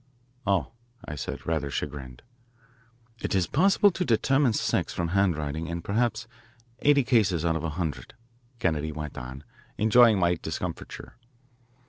"Oh," I said, rather chagrined. "It is possible to determine sex from handwriting in perhaps eighty cases out of a hundred," Kennedy went on, enjoying my discomfiture.